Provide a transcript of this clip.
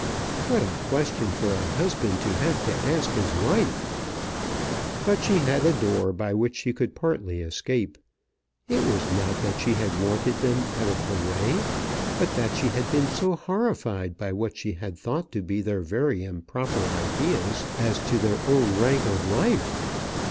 What a question for a husband to have to ask his wife! But she had a door by which she could partly escape. It was not that she had wanted them out of the way, but that she had been so horrified by what she had thought to be their very improper ideas as to their own rank of life.